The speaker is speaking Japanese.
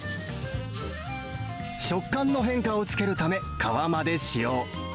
食感の変化をつけるため、皮まで使用。